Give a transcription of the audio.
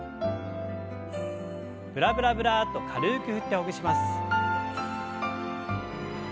ブラブラブラッと軽く振ってほぐします。